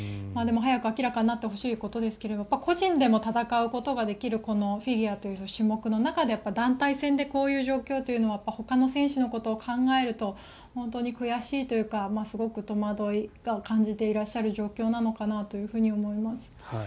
早く明らかになってほしいことですが個人でも戦うことができるフィギュアという種目の中で団体戦でこういった状況というのはほかの選手のことを考えると本当に悔しいというかすごく戸惑いを感じていらっしゃる状況なのかなと思います。